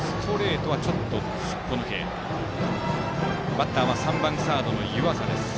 バッターは３番サードの湯浅です。